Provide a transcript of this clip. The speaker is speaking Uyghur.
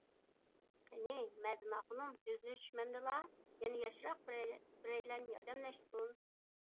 قېنى، مەزىن ئاخۇنۇم، ئۆزلىرى چۈشمەمدىلا، يەنە ياشراق بىرەيلەن ياردەملەشسۇن.